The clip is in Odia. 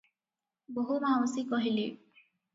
ବୋହୂମାଉସୀ କହିଲେ --